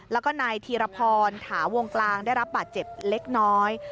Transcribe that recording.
แล้วก็นายธีรพรถาวงกลางได้รับบาดเจ็บเล็กน้อย